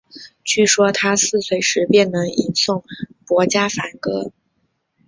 据说他四岁时便能吟诵薄伽梵歌。